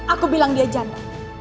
aku bilang dia janda